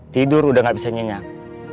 tidur udah gak bisa nyenyak